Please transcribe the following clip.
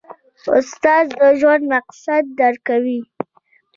استاد د ژوند مقصد درکوي.